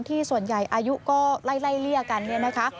ส่วนใหญ่อายุก็ไล่เลี่ยกันเนี่ยนะคะ